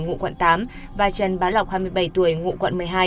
ngụ quận tám và trần bá lộc hai mươi bảy tuổi ngụ quận một mươi hai